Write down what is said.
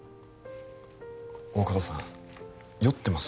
大加戸さん酔ってます？